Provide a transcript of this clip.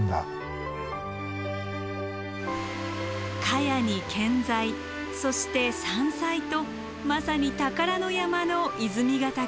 かやに建材そして山菜とまさに宝の山の泉ヶ岳。